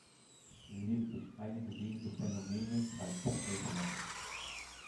Lediglich einige wenige Phänomene zeigen sich häufiger.